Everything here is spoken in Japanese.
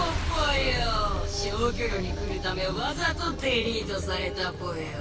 消去炉に来るためわざとデリートされたぽよ。